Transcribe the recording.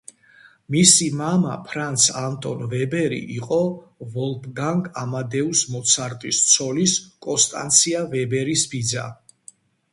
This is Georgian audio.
მისი მამა ფრანც ანტონ ვებერი იყო ვოლფგანგ ამადეუს მოცარტის ცოლის კონსტანცია ვებერის ბიძა.